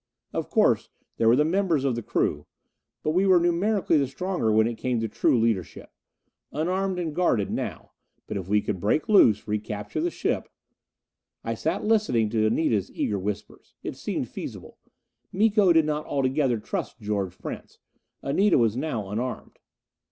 Of course there were the members of the crew. But we were numerically the stronger when it came to true leadership. Unarmed and guarded now. But if we could break loose recapture the ship.... I sat listening to Anita's eager whispers. It seemed feasible. Miko did not altogether trust George Prince; Anita was now unarmed.